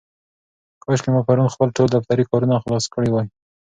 کاشکې ما پرون خپل ټول دفترې کارونه خلاص کړي وای.